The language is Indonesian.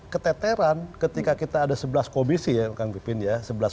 keteteran ketika kita ada sebelas komisi ya